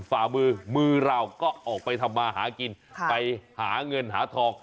ฝ่ามือมือเราก็ออกไปทำมาหากินไปหาเงินหาทอง